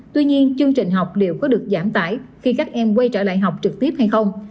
tuy nhiên chương trình học liệu có được giảm tải khi các em quay trở lại học trực tiếp hay không